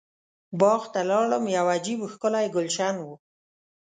باغ ته لاړم یو عجب ښکلی ګلشن و.